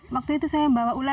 waktu itu saya bawa ular